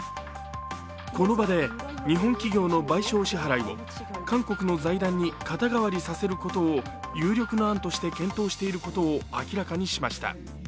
この場で、日本企業の賠償支払い韓国の財団に肩代わりさせることを有力な案として検討していることを明らかにしました。